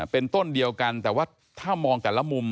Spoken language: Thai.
เป็นต้นเดียวกันแต่ว่าถ้ามองแต่ละมุม